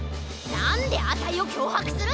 なんであたいをきょうはくするんだ！？